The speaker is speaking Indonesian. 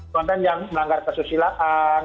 konten yang melanggar kesusilaan